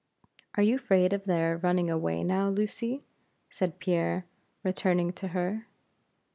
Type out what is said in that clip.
"Are you afraid of their running away now, Lucy?" said Pierre, returning to her.